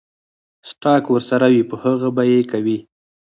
سټاک ورسره وي پۀ هغې به يې کوي ـ